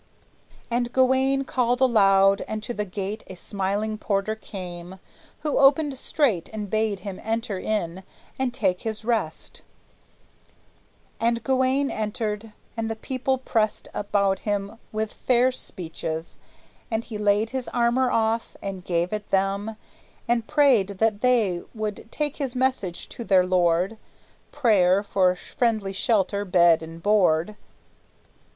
And Gawayne called aloud, and to the gate A smiling porter came, who opened straight, And bade him enter in and take his rest; And Gawayne entered, and the people pressed About him with fair speeches; and he laid His armor off, and gave it them, and prayed That they would take his message to their lord, prayer for friendly shelter, bed and board.